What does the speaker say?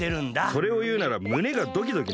それをいうなら胸がドキドキな。